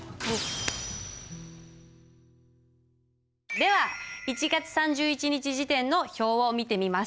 では１月３１日時点の表を見てみます。